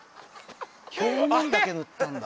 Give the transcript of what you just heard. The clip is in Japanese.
表面だけ塗ったんだ。